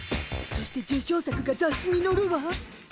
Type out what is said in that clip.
そして受賞作がざっしにのるわ。